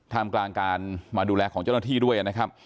ทางกลางการมาดูแลของเจ้าหน้าที่ด้วย